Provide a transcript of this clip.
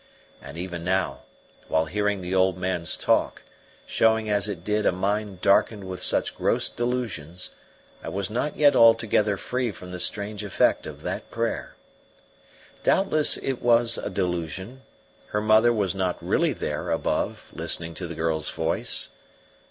And even now, while hearing the old man's talk, showing as it did a mind darkened with such gross delusions, I was not yet altogether free from the strange effect of that prayer. Doubtless it was a delusion; her mother was not really there above listening to the girl's voice.